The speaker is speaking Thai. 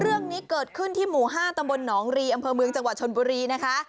เรื่องนี้เกิดขึ้นที่หมู่๕ตำบลหนองรีอำเภอเมืองจังหวัดชนบุรีนะคะ